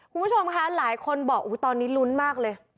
คุณผู้ชมค่ะหลายคนบอกตอนนี้ลุ้นมากเลย